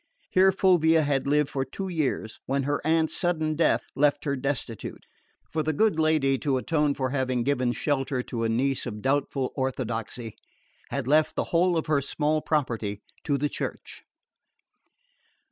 Here Fulvia had lived for two years when her aunt's sudden death left her destitute; for the good lady, to atone for having given shelter to a niece of doubtful orthodoxy, had left the whole of her small property to the Church.